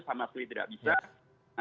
sama sekali tidak bisa